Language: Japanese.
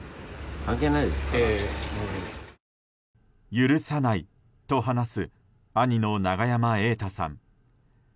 許さないと話す兄の永山瑛太さん。